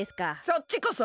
そっちこそ。